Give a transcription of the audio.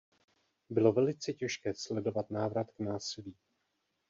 Bylo velice těžké sledovat návrat k násilí.